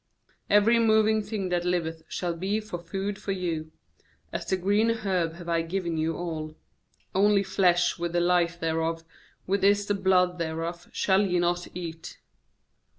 3Every moving thing that hveth shall be for food for you; as the green herb have I given you all. 40nly flesh with the life thereof, which is the blood thereof, shall ye not eat.